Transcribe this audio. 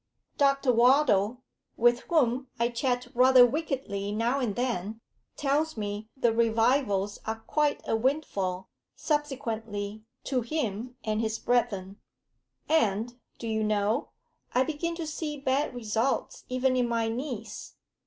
Dr. Wardle, with whom I chat rather wickedly now and then, tells me the revivals are quite a windfall, subsequently, to him and his brethren. And, do you know, I begin to see bad results even in my niece.